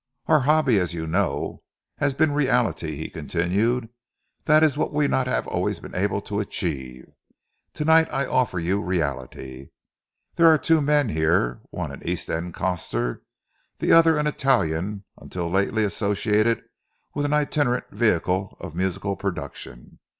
"Our hobby, as you know, has been reality," he continued. "That is what we have not always been able to achieve. Tonight I offer you reality. There are two men here, one an East End coster, the other an Italian until lately associated with an itinerant vehicle of musical production.